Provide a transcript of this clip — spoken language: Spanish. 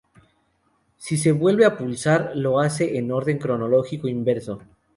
Si se vuelve a pulsar, lo hace en orden cronológico inverso.